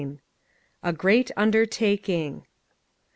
A GREAT UNDEBTAKING.